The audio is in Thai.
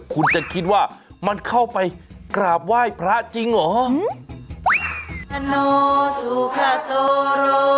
คุณจะคิดว่ามันเข้าไปกราบไหว้พระจริงเหรอ